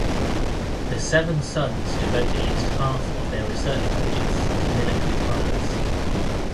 The Seven Sons devote at least half of their research budgets to military products.